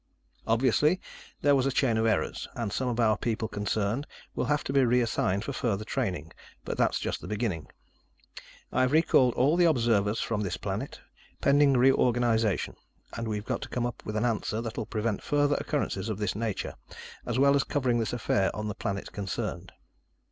Obviously, there was a chain of errors, and some of our people concerned will have to be reassigned for further training, but that's just the beginning. I've recalled all the observers from this planet, pending reorganization, and we've got to come up with an answer that'll prevent further occurrences of this nature, as well as covering this affair on the planet concerned.